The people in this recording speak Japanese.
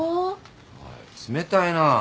おい冷たいな。